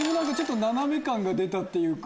斜め感が出たっていうか。